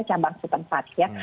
cabang setempat ya